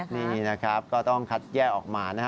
นี่นะครับก็ต้องคัดแยกออกมานะฮะ